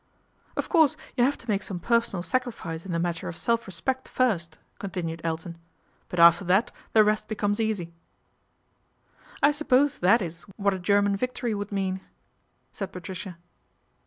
" Of course you have to make some personal sacrifice in the matter of self respect first," con tinued Elton, " but after that the rest becomes easy." ' I suppose that is what a German victory would mean," said Patricia.